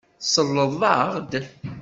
Tselleḍ-aɣ-d?